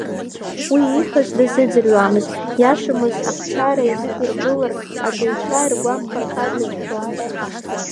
Уи ииҳәоз дазыӡырҩуамызт, иашамыз ахәшьара изықәиргылар аҵаҩцәа иргәамԥхар ҳәа дацәшәон.